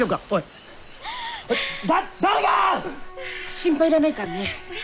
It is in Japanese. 心配いらないからね。